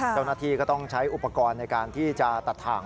เจ้าหน้าที่ก็ต้องใช้อุปกรณ์ในการที่จะตัดถ่าง